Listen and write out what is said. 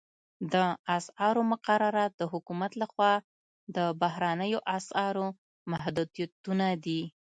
د اسعارو مقررات د حکومت لخوا د بهرنیو اسعارو محدودیتونه دي